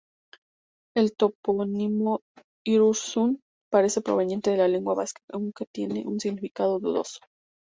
El topónimo Irurzun parece proveniente de la lengua vasca aunque tiene un significado dudoso.